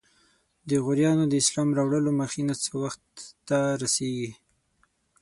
د غوریانو د اسلام راوړلو مخینه څه وخت ته رسیږي؟